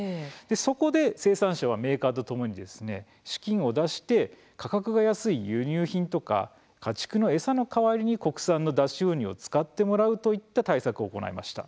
そこで生産者はメーカーとともに資金を出して価格が安い輸入品とか家畜の餌の代わりに国産の脱脂粉乳を使ってもらうといった対策を行いました。